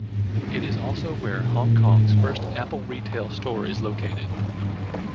It is also where Hong Kong's first Apple retail store is located.